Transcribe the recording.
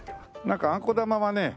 なんかあんこ玉はね